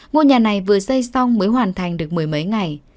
ngôi nhà này vừa xây xong mới hoàn thành được mười mấy ngày